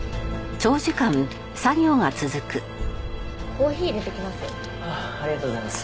コーヒーいれてきます。